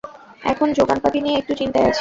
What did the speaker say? এখন জোগানপাতি নিয়ে একটু চিন্তায় আছি!